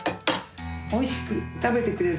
おいしく食べてくれる。